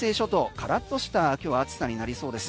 カラッとした今日は暑さになりそうです。